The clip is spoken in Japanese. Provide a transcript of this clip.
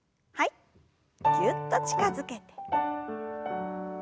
ぎゅっと近づけて。